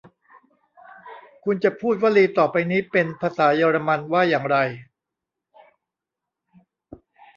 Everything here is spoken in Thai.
คุณจะพูดวลีต่อไปนี้เป็นภาษาเยอรมันว่าอย่างไร